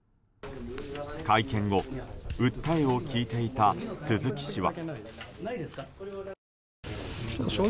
会見後、訴えを聞いていた鈴木氏は。